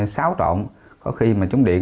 xáo trộn có khi chúng điện